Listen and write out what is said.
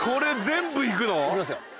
いきますよ